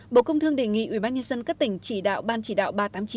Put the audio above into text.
bộ công thương đề nghị ubnd các tỉnh chỉ đạo ban chỉ đạo ba trăm tám mươi chín